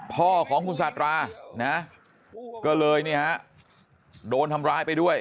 พ่อของคุณสาธารานะก็เลยเนี่ยฮะโดนทำร้ายไปด้วย